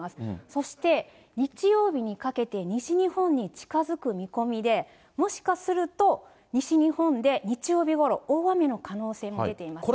そして、日曜日にかけて西日本に近づく見込みで、もしかすると、西日本で日曜日ごろ、大雨の可能性も出ています。